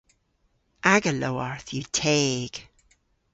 Aga lowarth yw teg.